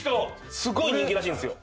すごい人気らしいんですよ。